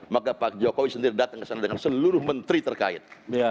maka pak jokowi sendiri datang ke sana dengan seluruh menteri terkait